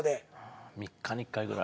３日に１回ぐらい。